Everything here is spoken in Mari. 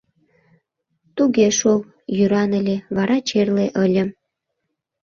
— Туге шол, йӱран ыле, вара черле ыльым.